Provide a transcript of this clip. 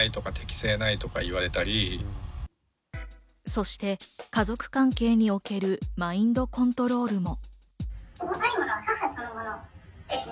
そして家族関係におけるマインドコントロールも。